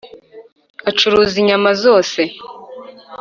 Acuruza inyama zose